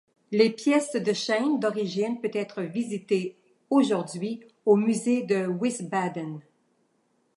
Le pièces de chêne d'origine peut être visitées aujourd'hui au Musée de Wiesbaden.